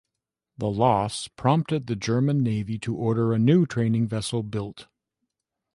The loss prompted the German Navy to order a new training vessel built.